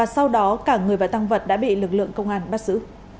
tháng vật đã bị lực lượng công an bắt giữ